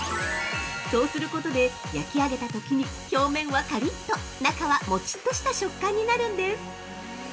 そうすることで焼き上げたときに表面はカリッと、中はもちっとした食感になるんです。